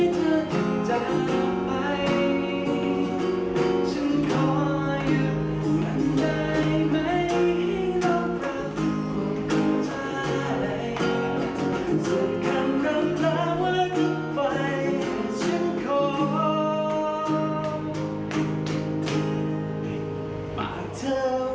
ที่มีปากเธอไว้